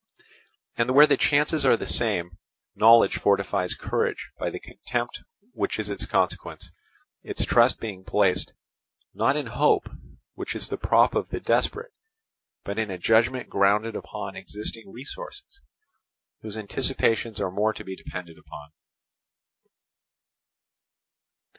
And where the chances are the same, knowledge fortifies courage by the contempt which is its consequence, its trust being placed, not in hope, which is the prop of the desperate, but in a judgment grounded upon existing resources, whose anticipations are more to be depended upon.